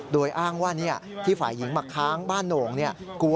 โดยอ้างว่าที่ฝ่ายหญิงมาค้างบ้านโหน่ง